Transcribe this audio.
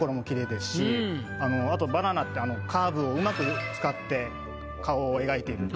あとバナナのカーブを上手く使って顔を描いていると。